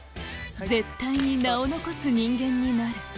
「絶対に名を残す人間になる」